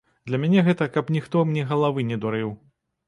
Для мяне гэта, каб ніхто мне галавы не дурыў.